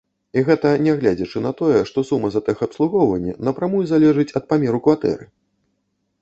І гэта нягледзячы на тое, што сума за тэхабслугоўванне напрамую залежыць ад памеру кватэры!